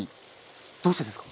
どうしてですか？